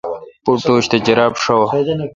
پوٹوش تہ جراب شاوہ۔